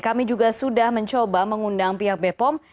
kami juga sudah mencoba mengundang pihak bepom